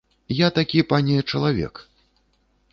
Я такі, пане, чалавек.